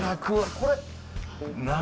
これ。